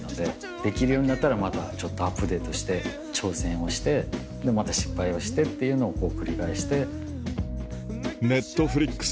できるようになったらまたちょっとアップデートして挑戦をしてまた失敗をしてっていうのを繰り返して。